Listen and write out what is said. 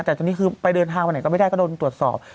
แต่ตอนนี้คือไปเดินทางไปไหนก็ไม่ได้ก็โดนตรวจสอบ